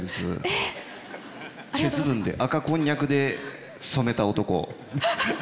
赤こんにゃくで染めた男。